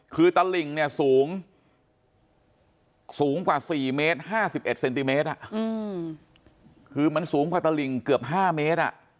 คือตลิ่งเนี่ยสูงสูงกว่า๔เมตร๕๑เซนติเมตรคือมันสูงกว่าตลิงเกือบ๕เมตร